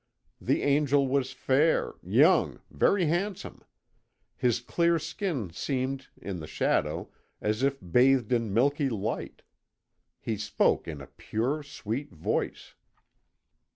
The angel was fair, young, very handsome. His clear skin seemed, in the shadow, as if bathed in milky light. He spoke in a pure, sweet voice."